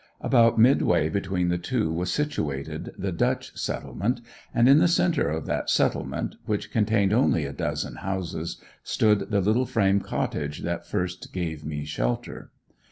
About midway between the two was situated the "Dutch Settlement," and in the centre of that Settlement, which contained only a dozen houses, stood the little frame cottage that first gave me shelter.